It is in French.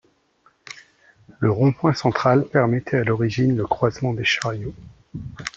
Le rond-point central permettait à l'origine le croisement des chariots.